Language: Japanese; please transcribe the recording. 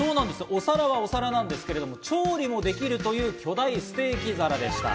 お皿はお皿なんですけれども調理もできるという巨大ステーキ皿でした。